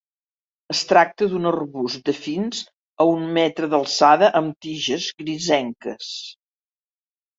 Es tracta d'un arbust de fins a un metre d'alçada, amb tiges grisenques.